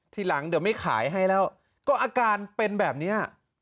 ทีหลังเดี๋ยวไม่ขายให้แล้วก็อาการเป็นแบบนี้